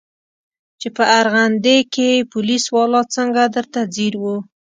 چې په ارغندې کښې پوليس والا څنګه درته ځير و.